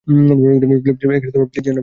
Please যেও না।